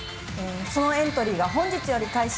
そのエントリーが本日より開始。